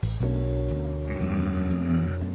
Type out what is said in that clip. うん。